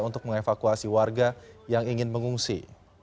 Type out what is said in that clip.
untuk mengevakuasi warga yang ingin mengungsi